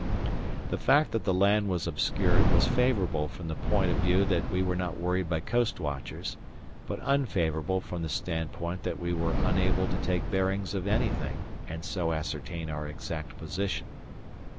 The fact that the land was obscured was favourable from the point of view that we were not worried by coast watchers, but unfavourable from the standpoint that we were unable to take bearings of anything and so ascertain our exact position.